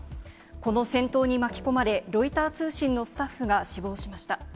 この戦闘に巻き込まれ、ロイター通信のスタッフが死亡しました。